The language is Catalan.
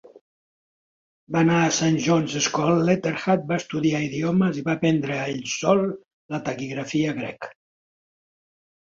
Va anar a la Saint John's School, Leatherhead, va estudiar idiomes i va aprendre ell sol la taquigrafia Gregg.